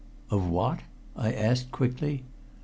"Of what?" I asked quickly.